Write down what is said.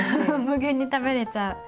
無限に食べれちゃう。